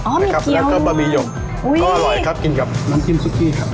อ๋อมีเกลียวรวกแล้วก็บะบีหย่มก็อร่อยครับกินกับน้ำชิ้นซุกกี้ครับ